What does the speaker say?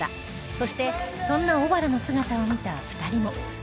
そしてそんな小原の姿を見た２人も